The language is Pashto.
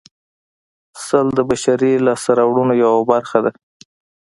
سل د بشري لاسته راوړنو یوه برخه ده